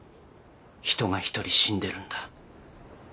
人が１人死んでるんだ。